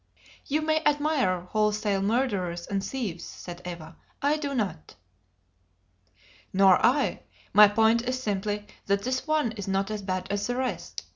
"You may admire wholesale murderers and thieves," said Eva. "I do not." "Nor I. My point is simply that this one is not as bad as the rest.